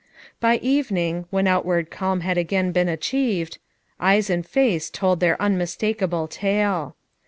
By g veiling, when outward cairn bad again been achieved, oy«H and face told their iimniHlakablo talo.